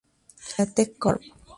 La Teck Corp.